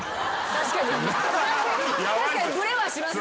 確かにブレはしますね。